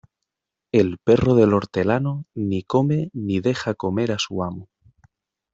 El perro del hortelano ni come, ni deja comer a su amo.